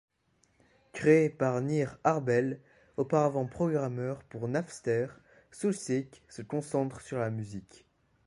Créé par Nir Arbel, auparavant programmeur pour Napster, Soulseek se concentre sur la musique.